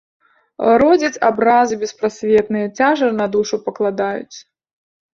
Родзяць абразы беспрасветныя, цяжар на душу пакладаюць.